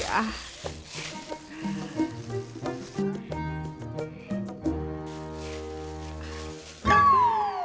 ini bangku siapa